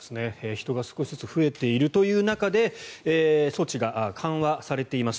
人が少しずつ増えている中で措置が緩和されています。